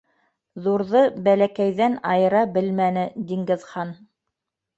Ҙурҙы бәләкәйҙән айыра белмәне Диңгеҙхан.